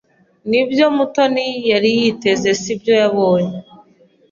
Nibyo Mutoni yari yiteze sibyo yabonye.